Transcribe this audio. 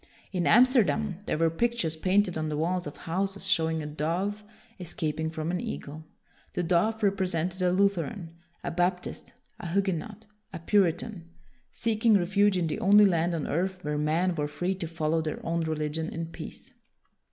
In Amsterdam there were pictures painted on the walls of houses showing a dove escaping from an eagle. The dove represented a Lutheran, a Bap tist, a Huguenot, a Puritan, seeking refuge 190 WILLIAM THE SILENT in the only land on earth where men were free to follow their own religion in peace.